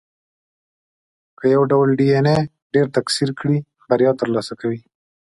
که یو ډول ډېایناې ډېره تکثر کړي، بریا ترلاسه کوي.